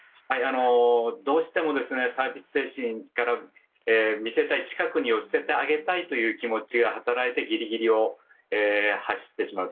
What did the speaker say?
どうしてもサービス精神から近くに寄せて見せてあげたいという気持ちが働いてギリギリを走ってしまう。